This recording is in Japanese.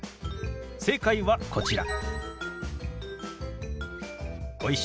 正解はこちら。